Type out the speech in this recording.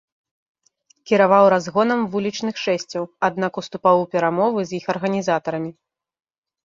Кіраваў разгонам вулічных шэсцяў, аднак уступаў у перамовы з іх арганізатарамі.